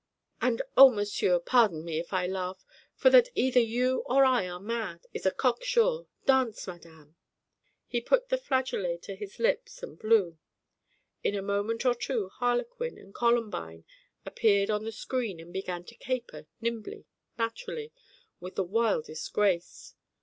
And, O monsieur, pardon me if I laugh; for that either you or I are mad is a cock sure. Dance, madame " He put the flageolet to his lips and blew. In a moment or two harlequin and columbine appeared on the screen and began to caper nimbly, naturally, with the wildest grace.